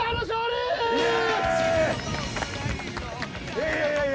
いやいやいや。